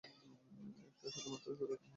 এটা শুধুমাত্র ছোট একটা মুহূর্ত।